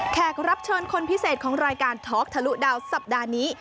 แขกรับเชิญคนพิเศษของรายการท็อกทะลุดาวสัปดาห์นี้